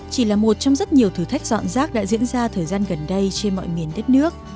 chỉ là một trong rất nhiều thử thách dọn rác đã diễn ra thời gian gần đây trên mọi miền đất nước